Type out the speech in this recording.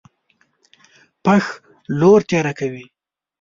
پښ لور تېره کوي.